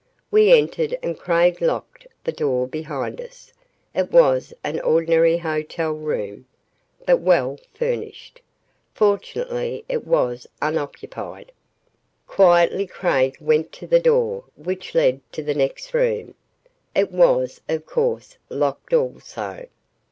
We entered and Craig locked the door behind us. It was an ordinary hotel room, but well furnished. Fortunately it was unoccupied. Quietly Craig went to the door which led to the next room. It was, of course, locked also.